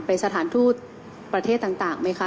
สถานทูตประเทศต่างไหมคะ